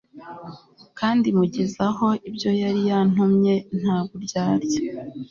kandi mugezaho ibyo yari yantumye nta buryarya